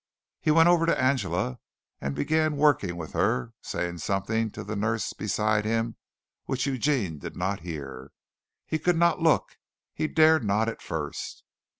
He went over to Angela and began working with her, saying something to the nurse beside him which Eugene did not hear. He could not look he dared not at first.